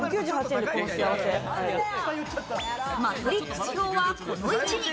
マトリックス表はこの位置に。